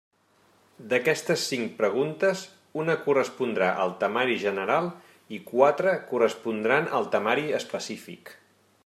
D'aquestes cinc preguntes, una correspondrà al temari general i quatre correspondran al temari específic.